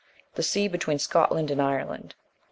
The sea between Scotland and Ireland.